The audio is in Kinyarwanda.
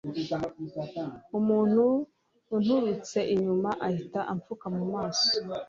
umuntu anturutse inyuma ahita imfuka mu maso